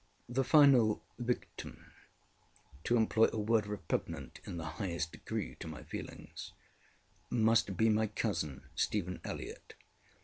The final ŌĆśvictimŌĆÖŌĆöto employ a word repugnant in the highest degree to my feelingsŌĆömust be my cousin, Stephen Elliott.